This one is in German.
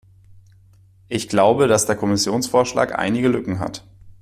Ich glaube, dass der Kommissionsvorschlag einige Lücken hat.